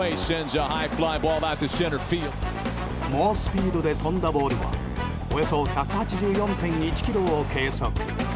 猛スピードで飛んだボールはおよそ１８４．１キロを計測。